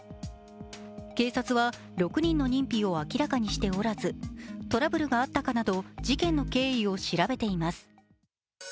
警察は６人の認否を明らかにしておらず、トラブルがあったかなど事件の経緯を調べています。